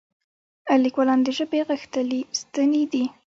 لیکوالان د ژبې غښتلي ستني دي.